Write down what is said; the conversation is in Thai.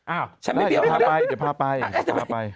อ้าวอย่าพ่อไปอย่าพ่อไปอย่าพ่อไปอ่ะจ้ะไป